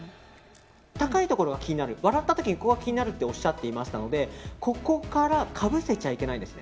高いところが気になる笑った時に気になるとおっしゃっていましたのでここからかぶせちゃいけないんです。